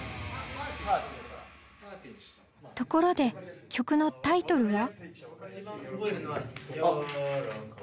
ところで曲のタイトルは？